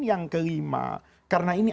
yang kelima karena ini